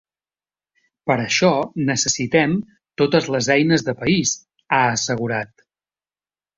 Per això necessitem totes les eines de país, ha assegurat.